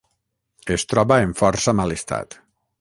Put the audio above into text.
Es troba en força mal estat.